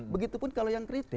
begitupun kalau yang kritik